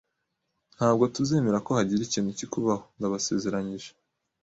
Ntabwo tuzemera ko hagira ikintu kikubaho, ndabasezeranyije